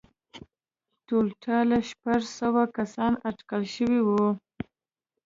ټولټال شپږ سوه کسان اټکل شوي وو